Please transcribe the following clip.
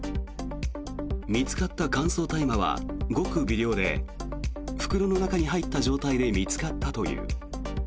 見つかった乾燥大麻はごく微量で袋の中に入った状態で見つかったという。